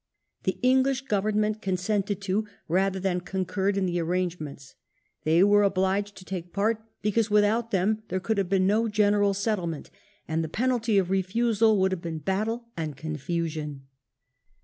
The English Government consented to, rather than concurred in, the arrangemonts ; they were obliged to take part, because without them there could have been no general settle ment ; and the penalty of refusal would have been battle and confusion.